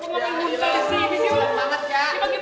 kalau pasti belum kawin kak